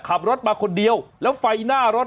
ขับรถมาคนเดียวแล้วไฟหน้ารถ